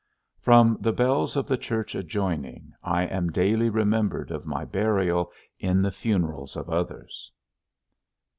_From the bells of the church adjoining, I am daily remembered of my burial in the funerals of others.